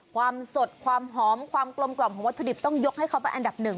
ความสดความหอมความกลมกล่อมของวัตถุดิบต้องยกให้เขาเป็นอันดับหนึ่ง